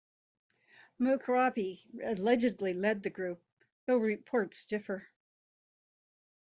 Mughrabi allegedly led the group, though reports differ.